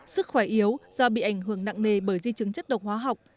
sức khỏe yếu do bị ảnh hưởng nặng nề bởi di chứng chất độc hóa học